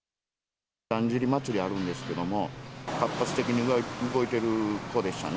だんじり祭りあるんですけども、活発的に動いてる人でしたね。